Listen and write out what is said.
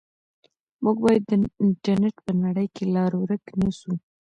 موږ باید د انټرنیټ په نړۍ کې لار ورک نه سو.